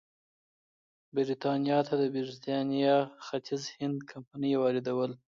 برېټانیا ته د برېټانیا ختیځ هند کمپنۍ واردول.